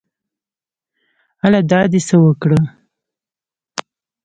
الۍ دا دې څه وکړه